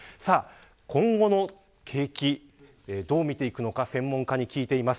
今後の景気、どう見ていくのか専門家に聞いています。